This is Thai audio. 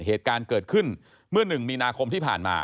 เหตุการณ์เกิดขึ้นเมื่อ๑มีนาคมที่ผ่านมา